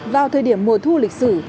vào thời điểm mùa thu lịch sử